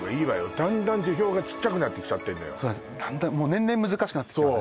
だんだん樹氷がちっちゃくなってきちゃってんのよもう年々難しくなってきてますね